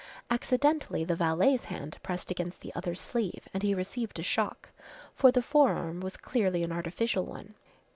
Accidentally the valet's hand pressed against the other's sleeve and he received a shock, for the forearm was clearly an artificial one.